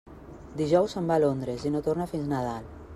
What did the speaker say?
Dijous se'n va a Londres i no torna fins Nadal.